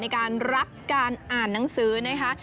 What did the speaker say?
ในการรักการอ่านหนังสือนะคะ